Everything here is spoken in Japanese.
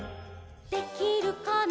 「できるかな」